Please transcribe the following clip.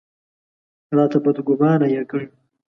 راته بدګومانه یې کړ.